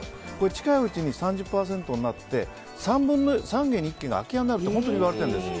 近いうちに３０％になって３軒に１軒が空き家になると本当にいわれているんです。